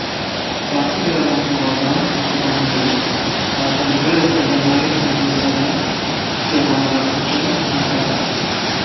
Բացի վերականգնողական աշխատանքներից, առաջարկվել է ստեղծել նաև հինռուսական գեղանկարչության թանգարան։